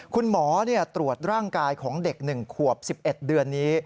คุณหมอตรวจร่างกายของเด็ก๑ขวบ๑๑เดือนนี้